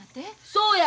そうや。